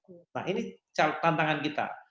nah ini tantangan kita